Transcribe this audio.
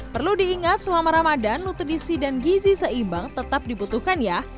perlu diingat selama ramadan nutrisi dan gizi seimbang tetap dibutuhkan ya